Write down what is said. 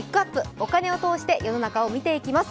お金を通して、世の中を見ていきます。